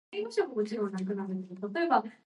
Ашыкма, әмма вакытка сыеш.